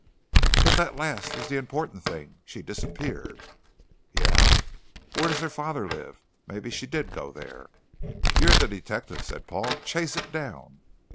"But that last is the important thing. She disappeared." "Yeah? Where does her father live? Maybe she did go there?" "You're the detective," said Paul. "Chase it down."